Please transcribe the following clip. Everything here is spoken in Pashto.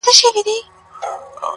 د سباوون ترانې وپاڅوم٫